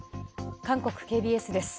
韓国ＫＢＳです。